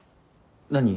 何？